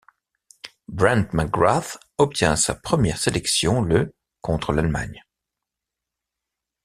Brent McGrath obtient sa première sélection le contre l'Allemagne.